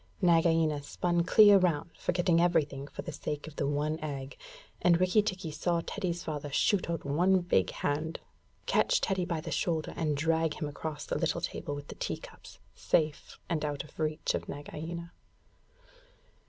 Nagaina spun clear round, forgetting everything for the sake of the one egg; and Rikki tikki saw Teddy's father shoot out a big hand, catch Teddy by the shoulder, and drag him across the little table with the tea cups, safe and out of reach of Nagaina.